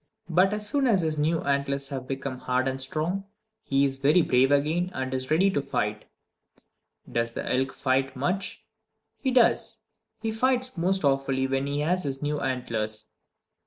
But as soon as his new antlers have become hard and strong, he is very brave again, and is ready to fight! Does the elk fight much? He does! He fights most awfully when he has his new antlers.